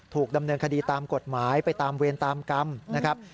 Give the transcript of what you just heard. ถูกดำเนินคดีตามกฎหมายไปตามเวรตามกรรมนะครับ